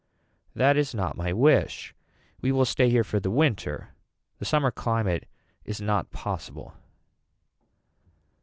That is not my wish. We will stay here for the winter. The summer climate is not possible.